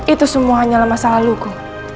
itu semua hanya lemas alaluku